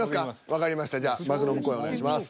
わかりましたじゃあ幕の向こうにお願いします。